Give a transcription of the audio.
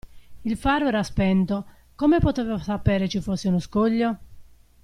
Il faro era spento, come potevo sapere ci fosse uno scoglio?